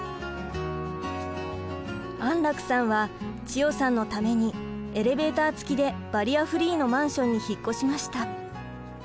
安楽さんは千代さんのためにエレベーター付きでバリアフリーのマンションに引っ越しました。